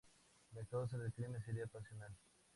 La causa del crimen sería pasional.